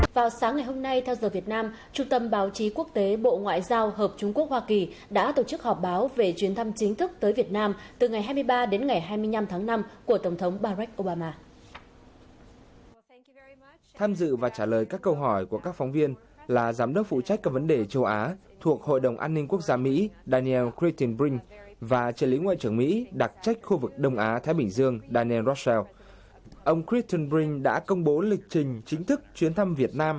vào sáng ngày hôm nay theo giờ việt nam trung tâm báo chí quốc tế bộ ngoại giao hợp trung quốc hoa kỳ đã tổ chức họp báo về chuyến thăm chính thức tới việt nam từ ngày hai mươi ba đến ngày hai mươi năm tháng năm của tổng thống barack obama